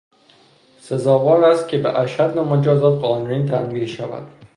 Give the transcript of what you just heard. سزاوار است که به اشد مجازات قانونی تنبیه شود.